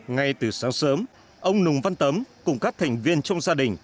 ngay từ sáng sớm ông nùng văn tấm cùng các thành viên trong gia đình